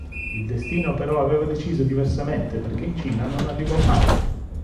Il destino però aveva deciso diversamente perché in Cina non arrivò mai.